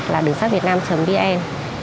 là đường sắt vietnam vn